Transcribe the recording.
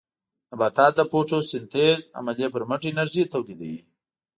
نباتات د فوټوسنټیز عملیې پرمټ انرژي تولیدوي.